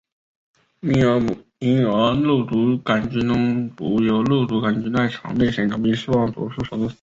婴儿肉毒杆菌中毒由肉毒杆菌在肠内生长并释放毒素所致。